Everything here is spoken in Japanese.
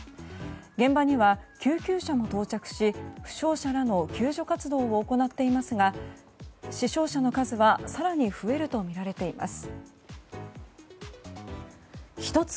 現場には救急車も到着し負傷者らの救助活動を行っていますが、死傷者の数は更に増えるとみられています。